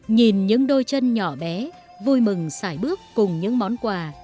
nhìn những đôi chân nhỏ bé vui mừng xoài bước cùng những món quà